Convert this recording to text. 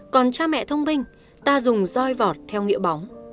còn cha mẹ thông minh ta dùng roi vọt theo nghĩa bóng